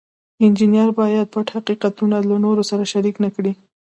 انجینر باید پټ حقیقتونه له نورو سره شریک نکړي.